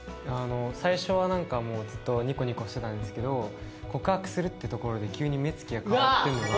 最初はなんかもうずっとニコニコしてたんですけど告白するってところで急に目つきが変わってるのが。